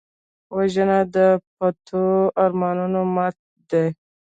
وژنه د پټو ارمانونو ماتې ده